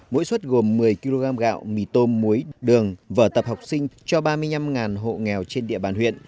mỗi suất gồm một mươi kg gạo mì tôm muối đường vở tập học sinh cho ba mươi năm hộ nghèo trên địa bàn huyện